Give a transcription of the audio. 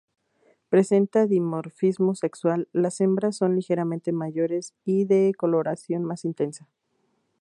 Presenta dimorfismo sexual; las hembras son ligeramente mayores y de coloración más intensa.